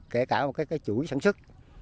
kể cả cái chuỗi sản xuất